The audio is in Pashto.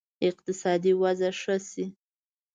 اقتصادي وضع ښه شي.